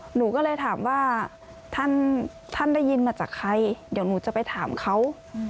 หนูก็เลยถามว่าท่านได้ยินมาจากใครเดี๋ยวหนูจะไปถามเขา